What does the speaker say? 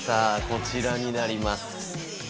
こちらになります。